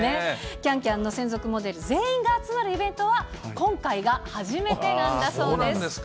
キャンキャンの専属モデル全員が集まるイベントは、今回が初めてなんだそうです。